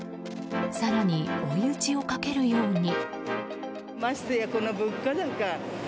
更に追い打ちをかけるように。